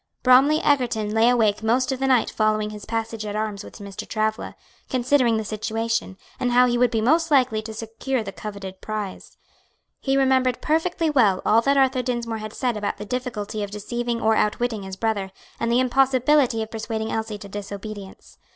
Bromly Egerton lay awake most of the night following his passage at arms with Mr. Travilla, considering the situation, and how he would be most likely to secure the coveted prize. He remembered perfectly well all that Arthur Dinsmore had said about the difficulty of deceiving or outwitting his brother, and the impossibility of persuading Elsie to disobedience.